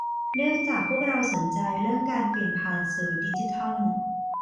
เนื่องจากพวกเราสนใจเรื่องการเปลี่ยนผ่านสู่ดิจิทัล